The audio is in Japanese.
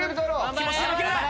気持ちで負けるな！